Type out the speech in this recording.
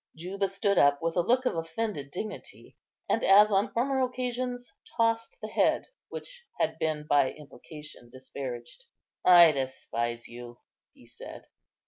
Juba stood up with a look of offended dignity, and, as on former occasions, tossed the head which had been by implication disparaged. "I despise you," he said.